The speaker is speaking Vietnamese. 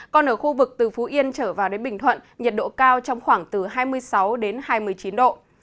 còn ở khu vực từ phú yên trở vào đến bình thuận nhiệt độ cao trong khoảng từ hai mươi sáu đến hai mươi chín độ